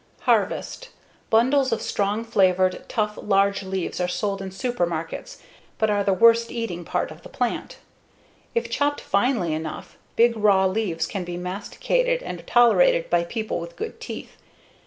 Harvest: Bundles of strong flavored, tough, large leaves are sold in supermarkets but are the worst eating part of the plant. If chopped finely enough, big raw leaves can be masticated and tolerated by people with good teeth.